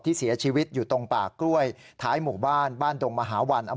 เสียชีวิตอยู่ตรงป่ากล้วยท้ายหมู่บ้านบ้านดงมหาวัน